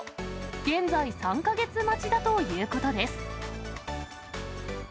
現在、３か月待ちだということです。